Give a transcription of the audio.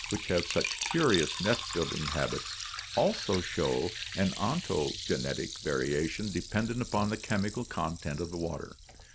22), which have such curious nest building hab its, also show an ontogenetic varia t i 0 n dependent upon the chemical content of the water.